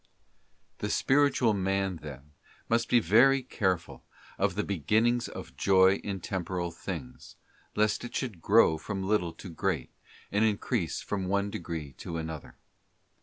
Tue spiritual man, then, must be very careful of the be ginnings of Joy in Temporal things, lest it should grow from little to be great, and increase from one degree to another.